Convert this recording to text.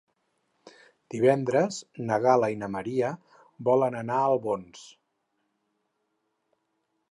Divendres na Gal·la i na Maria volen anar a Albons.